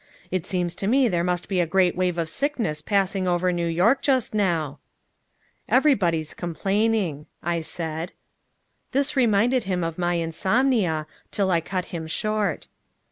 It seems to me there must be a great wave of sickness passing over New York just now." "Everybody's complaining," I said. This reminded him of my insomnia till I cut him short.